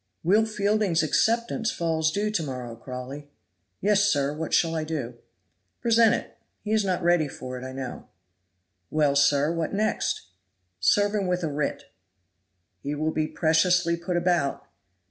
"Will Fielding's acceptance falls due to morrow, Crawley." "Yes, sir, what shall I do?" "Present it; he is not ready for it, I know. "Well, sir; what next?" "Serve him with a writ." "He will be preciously put about."